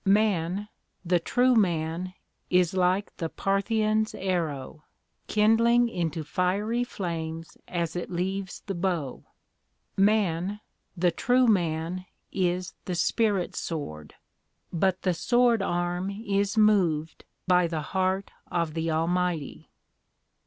Man the true man is like the Parthian's arrow, kindling into fiery flames as it leaves the bow. Man the true man is the Spirit sword, but the sword arm is moved by the heart of the Almighty."